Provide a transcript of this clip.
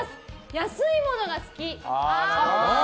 安いものが好き。